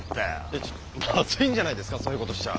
えちょっとまずいんじゃないですかそういうことしちゃ。